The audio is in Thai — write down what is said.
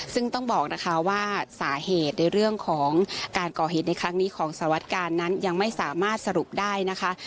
ซึ่งต้องบอกนะคะว่าสาเหตุในเรื่องของการก่อเหตุในครั้งนี้ของสารวัตกาลนั้นยังไม่สามารถสรุปได้นะคะ